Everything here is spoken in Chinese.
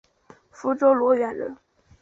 福建罗源人。